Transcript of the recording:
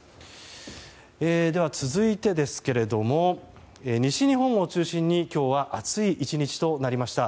続いてですが西日本を中心に今日は暑い１日となりました。